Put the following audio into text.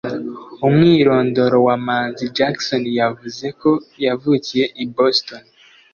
umwirondoro wa manzi jackson wavuze ko yavukiye i boston